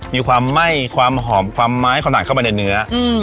มีความไหม้ความหอมความไม้ขนาดเข้าไปในเนื้อ